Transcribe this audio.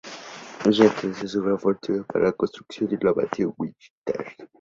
Ella utilizó su gran fortuna para la construcción de la mansión Winchester.